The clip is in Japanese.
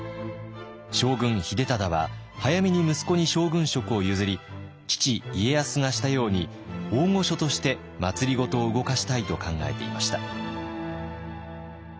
将軍秀忠は早めに息子に将軍職を譲り父家康がしたように「大御所」として政を動かしたいと考えていました。